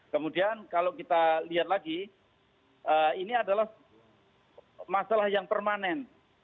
kemudian kalau kita lihat lagi ini adalah masalah yang permanen